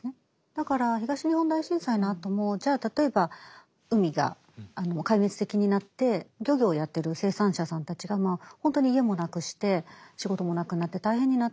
だから東日本大震災のあともじゃあ例えば海がもう壊滅的になって漁業をやってる生産者さんたちが本当に家もなくして仕事もなくなって大変になった。